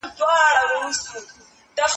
که پوهه وي نو راتلونکی نه مړاوی کیږي.